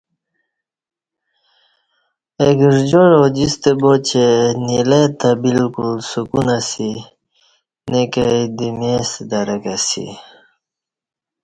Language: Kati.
اہ گرجار اوجِستہ با چہ نیلہ تہ با لکُل سُکون اسی نہ کائی دمی ستہ درک اسی